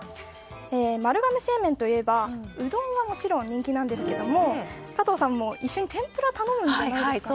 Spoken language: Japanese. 丸亀製麺といえば、うどんはもちろん人気なんですけれども加藤さんも一緒に天ぷら頼みませんか？